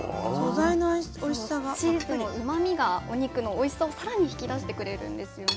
そのチーズのうまみがお肉のおいしさを更に引き出してくれるんですよね。